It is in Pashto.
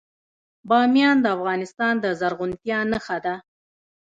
بامیان د افغانستان د زرغونتیا نښه ده.